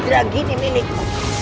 pedang ini milikmu